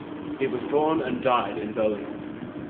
He was born and died in Berlin.